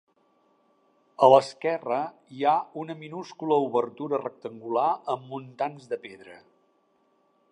A l'esquerra hi ha una minúscula obertura rectangular amb muntants de pedra.